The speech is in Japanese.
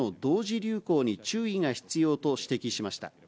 流行に注意が必要と指摘しました。